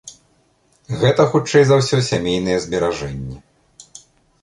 Гэта хутчэй за ўсё сямейныя зберажэнні.